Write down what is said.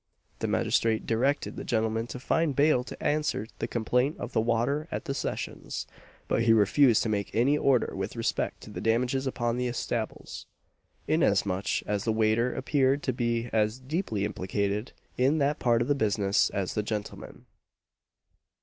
The magistrate directed the gentleman to find bail to answer the complaint of the waiter at the Sessions; but he refused to make any order with respect to the damages upon the eatables; inasmuch as the waiter appeared to be as deeply implicated in that part of the business as the gentleman.